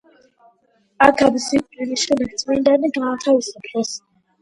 აქაბის სიკვდილის შემდეგ წმინდანი გაათავისუფლეს.